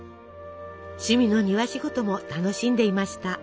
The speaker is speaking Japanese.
趣味の庭仕事も楽しんでいました。